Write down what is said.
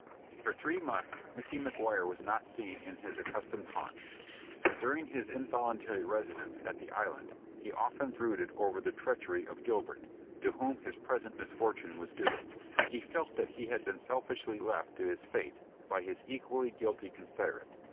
For three months Micky Maguire was not seen in his accustomed haunts. During his involuntary residence at the Island he often brooded over the treachery of Gilbert, to whom his present misfortune was due. He felt that he had been selfishly left to his fate by his equally guilty confederate.